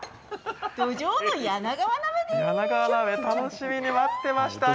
柳川鍋楽しみに待ってました。